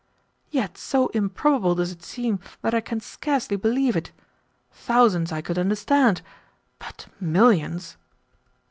"Yet so improbable does it seem that I can scarcely believe it. Thousands I could understand, but millions